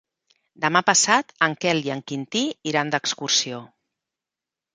Demà passat en Quel i en Quintí iran d'excursió.